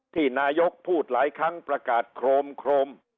ที่นายกพูดหลายครั้งประกาศโครมโครม